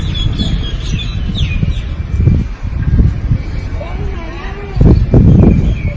อาการดีขึ้นไหมค่ะ